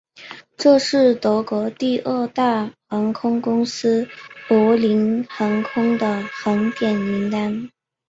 这是德国第二大航空公司柏林航空的航点名单。